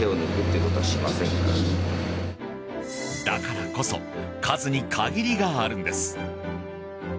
だからこそ数に限りがあるんです。